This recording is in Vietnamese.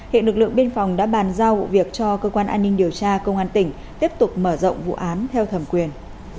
hiện lực lượng biên phòng đã bàn giao vụ việc cho cơ quan an ninh điều tra công an tỉnh tiếp tục mở rộng vụ án theo thẩm quyền